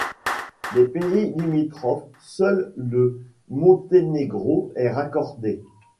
Des pays limitrophes, seul le Monténégro est raccordé.